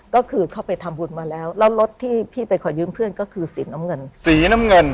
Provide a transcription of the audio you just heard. ก็คือเข้าไปทำบุญมาแล้วแล้วรถที่พี่ไปขอยืมเพื่อนก็คือสีน้ำเงินสีน้ำเงิน